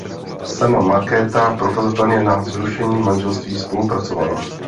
Sama Markéta prokazatelně na zrušení manželství spolupracovala.